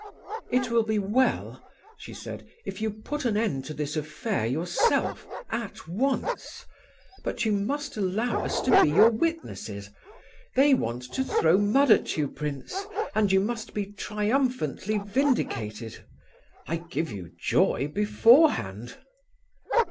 "It will be well," she said, "if you put an end to this affair yourself at once: but you must allow us to be your witnesses. They want to throw mud at you, prince, and you must be triumphantly vindicated. I give you joy beforehand!"